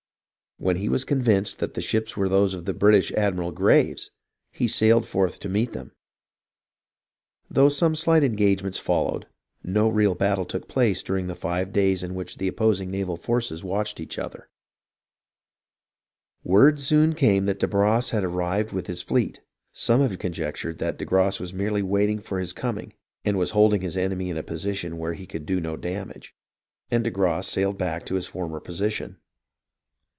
When he was convinced that the ships were those of the British admiral Graves, he sailed forth to meet them ; though some slight engagements followed, no real battle took place during the five days in which the opposing naval forces watched each other. Word soon came that de Barras had arrived with his fleet (some have conjectured that de Grasse was merely waiting for his coming and was holding his enemy in a position where he could do no damage), and de Grasse sailed back to his former position.